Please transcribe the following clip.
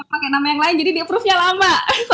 pakai nama yang lain jadi di approve nya lama